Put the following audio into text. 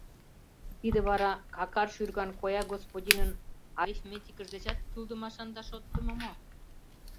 Тиде вара какар шӱрган коя господинын арифметикыж дечат кӱлдымашан да шотдымо мо?